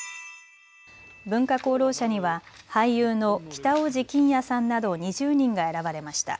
文化功労者には俳優の北大路欣也さんなど２０人が選ばれました。